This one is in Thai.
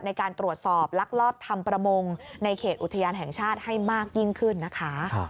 ในการตรวจสอบลักลอบทำประมงในเขตอุทยานแห่งชาติให้มากยิ่งขึ้นนะคะ